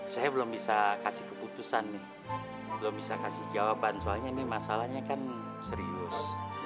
saya belum bisa kasih keputusan nih belum bisa kasih jawaban soalnya ini masalahnya kan serius